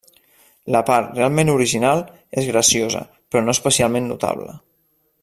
La part realment original és graciosa però no especialment notable.